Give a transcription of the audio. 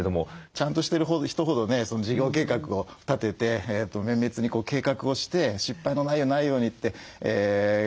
ちゃんとしてる人ほどね事業計画を立てて綿密に計画をして失敗のないようにないようにって頑張る。